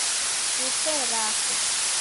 Ni tee rako.